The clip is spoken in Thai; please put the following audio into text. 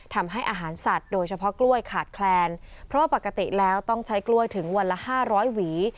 ทำให้อาหารสัตว์โดยเฉพาะกล้วยขาดแคลนเพราะว่าปกติแล้วต้องใช้กล้วยถึงวันละห้าร้อยหวี